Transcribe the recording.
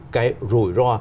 cái rủi ro